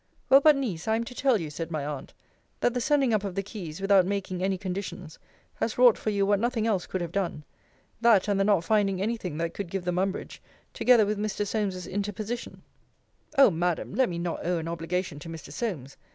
Well, but, Niece, I am to tell you, said my aunt, that the sending up of the keys, without making any conditions, has wrought for you what nothing else could have done. That, and the not finding any thing that could give them umbrage, together with Mr. Solmes's interposition O Madam, let me not owe an obligation to Mr. Solmes.